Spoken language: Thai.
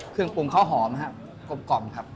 เครื่องปรุงเขาหอมครับกลมกล่อมครับ